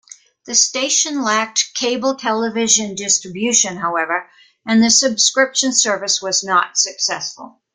The station lacked cable television distribution however, and the subscription service was not successful.